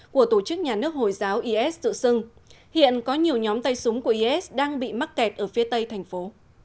của tổ chức nhà nước hồi giáo is tự xưng hiện có nhiều nhóm tay súng của is đang bị mắc kẹt ở phía tây thành phố